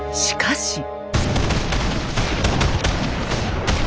しかし。